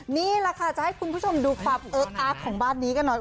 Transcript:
นี่แหละค่ะจะให้คุณผู้ชมดูความเอิ๊กอาร์กของบ้านนี้กันหน่อย